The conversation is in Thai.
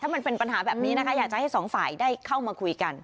มันเป็นปัญหาแบบนี้นะคะอยากจะให้สองฝ่ายได้เข้ามาคุยกัน